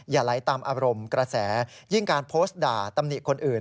ไหลตามอารมณ์กระแสยิ่งการโพสต์ด่าตำหนิคนอื่น